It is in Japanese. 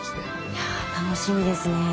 いや楽しみですね。